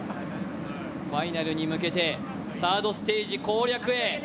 ファイナルに向けてサードステージ攻略へ。